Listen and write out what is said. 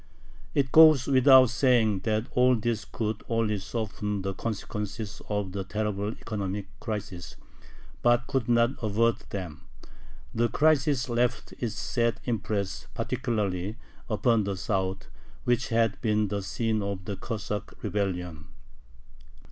It goes without saying that all this could only soften the consequences of the terrible economic crisis, but could not avert them. The crisis left its sad impress particularly upon the South, which had been the scene of the Cossack rebellion.